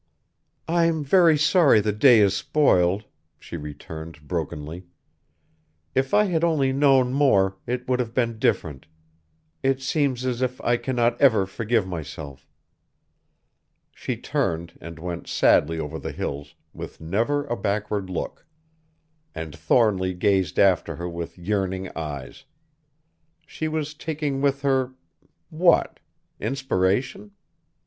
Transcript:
"I'm very sorry the day is spoiled," she returned brokenly; "if I had only known more, it would have been different. It seems as if I cannot ever forgive myself." She turned, and went sadly over the hills with never a backward look. And Thornly gazed after her with yearning eyes. She was taking with her what? Inspiration?